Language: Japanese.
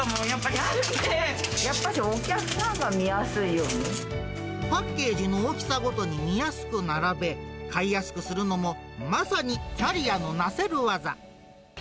やっぱしお客さんが見やすいパッケージの大きさごとに見やすく並べ、買いやすくするのも、まさにキャリアのなせる業。